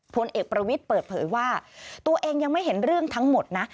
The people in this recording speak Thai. ผลเอกประวิทย์เปิดเผยว่าตัวเองยังไม่เห็นเรื่องทั้งหมดนะ